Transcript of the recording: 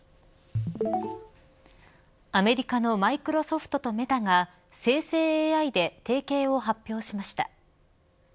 アメリカのマイクロソフトとメタが生成ＡＩで提携を発表しました。